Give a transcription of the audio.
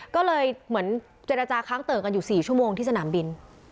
ก็เลยเหมือนเจรจาค้างเติ่งกันอยู่๔ชั่วโมงที่สนามบิน